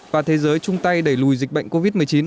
và thế giới trung tây đẩy lùi dịch bệnh covid một mươi chín